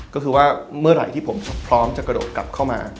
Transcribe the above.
ก็คือว่าเมื่อไหร่ที่ผมพร้อมจะกระโดดกลับเข้ามา